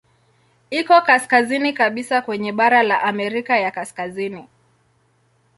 Iko kaskazini kabisa kwenye bara la Amerika ya Kaskazini.